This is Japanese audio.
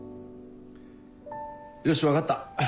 よし分かった。